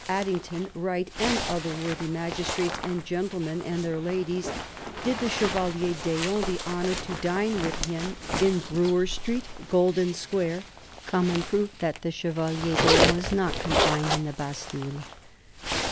Addington, Wright and other worthy magistrates and gentlemen and their ladies did the Chevalier d'Eon the honour to dine with him in Brewer St., Golden Square (common proof that the Chevalier d'Eon is not confined in the Bastille).